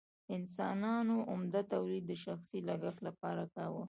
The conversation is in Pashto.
انسانانو عمده تولید د شخصي لګښت لپاره کاوه.